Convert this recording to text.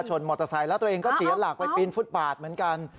มอเตอร์ไซค์แล้วตัวเองก็เสียหลักไปปีนฟุตบาทเหมือนกัน